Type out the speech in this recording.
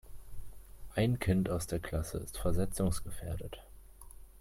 Ein Kind aus der Klasse ist versetzungsgefährdet.